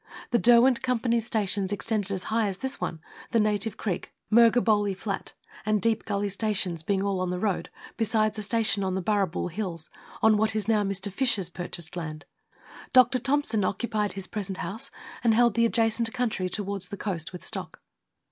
The Derwent Company's stations extended as high as this one the Native Creek, Murghebolac Flat, and Deep Gully stations being all on the road, besides a station on the Barrabool Hills, on what is now Mr. Fisher's pur chased land. Dr. Thomson occupied his present house, and held the adjacent country towards the coast with stock.